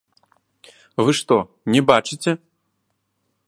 Вы што, не бачыце?